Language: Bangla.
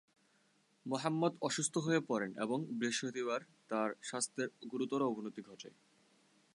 মুহাম্মদ অসুস্থ হয়ে পড়েন এবং বৃহস্পতিবার তার স্বাস্থ্যের গুরুতর অবনতি ঘটে।